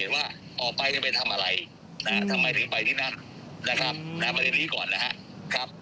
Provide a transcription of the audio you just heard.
ว่าออกไปไปทำอะไรทำไมถึงไปที่นั่นนะครับประเด็นนี้ก่อนนะครับ